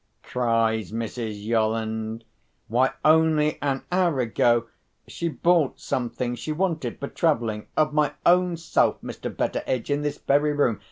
cries Mrs. Yolland. "Why, only an hour ago she bought some things she wanted for travelling—of my own self, Mr. Betteredge, in this very room.